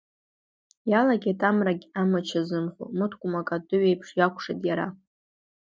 Иалагеит амрагь амыч азымхо, мыткәмак атыҩ еиԥш иакәшеит иара.